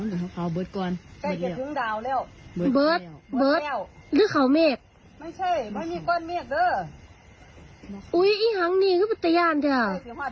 แปลว่ามันรอบเมฆด้วยนา